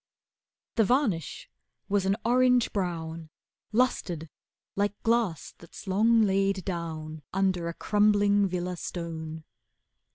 The varnish was an orange brown Lustered like glass that's long laid down Under a crumbling villa stone.